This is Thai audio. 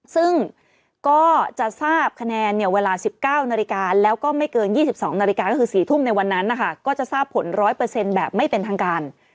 ซึ่งก็จะทราบคะแนนเนี่ยเวลาสิบเก้านาฬิกาแล้วก็ไม่เกินยี่สิบสองนาฬิกาก็คือสี่ทุ่มในวันนั้นนะคะก็จะทราบผลร้อยเปอร์เซ็นต์แบบไม่เป็นทางการ